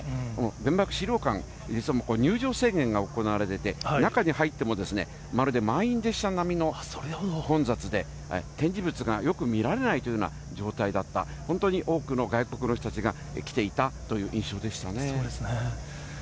原爆資料館、入場制限が行われていて、中に入ってもまるで満員列車並みの混雑で、展示物がよく見られないというような状態だった、本当に多くの外国の人たちが来てそうですね。